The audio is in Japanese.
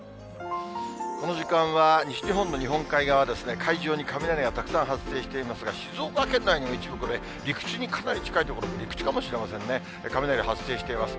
この時間は、西日本の日本海側、海上に雷がたくさん発生していますが、静岡県内にも一部、これ、陸地にかなり近い所、陸地かもしれませんね、雷が発生しています。